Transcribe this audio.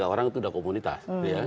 tiga orang itu sudah komunitas